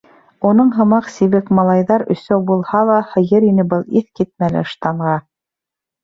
Уның һымаҡ сибек малайҙар өсәү булһа ла һыйыр ине был иҫ китмәле ыштанға.